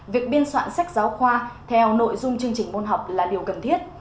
việc biên soạn sách giáo khoa theo nội dung chương trình môn học là điều cần thiết